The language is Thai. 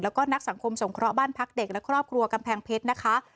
แล้วก็นักสังคมสงเคราะห์บ้านพักเด็กและครอบครัวกำแพงเพชรนะคะ